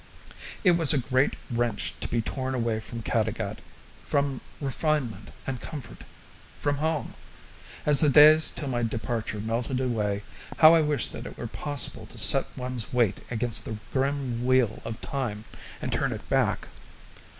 It was a great wrench to be torn away from Caddagat from refinement and comfort from home! As the days till my departure melted away, how I wished that it were possible to set one's weight against the grim wheel of time and turn it back!